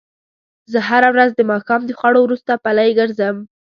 زه هره ورځ د ماښام د خوړو وروسته پلۍ ګرځم